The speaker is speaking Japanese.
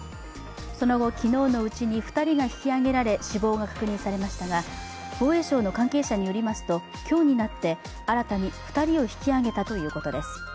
その後、昨日のうちに２人が引き揚げられ、死亡が確認されましたが、防衛省の関係者によりますと、今日になって新たに２人を引き揚げたということです。